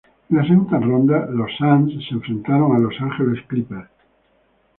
En la segunda ronda, los Suns se enfrentaron a Los Angeles Clippers.